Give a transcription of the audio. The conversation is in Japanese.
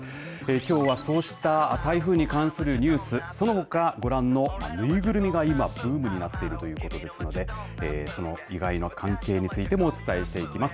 きょうはそうした台風に関するニュースそのほかご覧の縫いぐるみが今ブームになっているというニュースもありますのでその意外な関係についてもお伝えしていきます